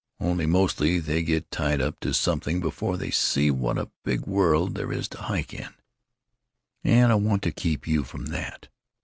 Only, mostly they get tied up to something before they see what a big world there is to hike in, and I want to keep you from that.